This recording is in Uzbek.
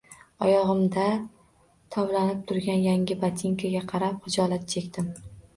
Oyogʻimda tovlanib turgan yangi botinkaga qarab xijolat chekdim